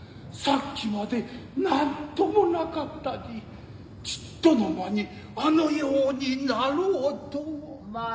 さっきまで何ともなかったにちっとの間にあのようになろうとは。